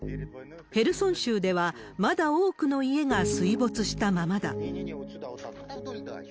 ヘルソン州では、まだ多くの家が水没したままだ。